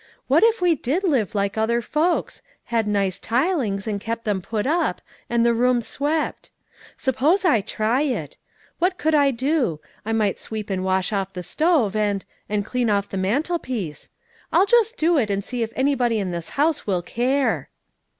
What if we did live like other folks, had nice tilings, and kept them put up, and the room swept. Suppose I try it. What could I do? I might sweep and wash off the stove, and and clean off the mantelpiece. I'll just do it, and see if anybody in this house will care."